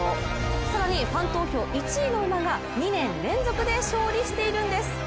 更にファン投票１位の馬が２年連続で勝利しているんです。